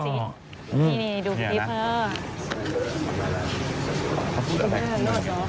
นี่ดูพลิเฟอร์